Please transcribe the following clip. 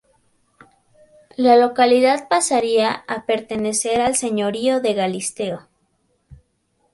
La localidad pasaría a pertenecer al Señorío de Galisteo.